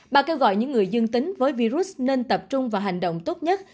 bà kêu gọi những người dương tính với virus nên tập trung vào hành động tốt nhất